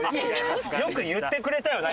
よく言ってくれたよな